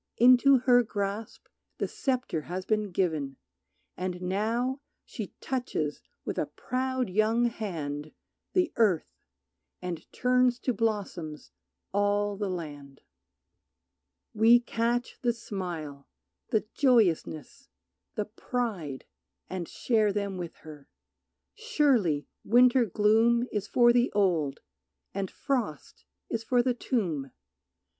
Into her grasp the sceptre has been given And now she touches with a proud young hand The earth, and turns to blossoms all the land. We catch the smile, the joyousness, the pride, And share them with her. Surely winter gloom Is for the old, and frost is for the tomb.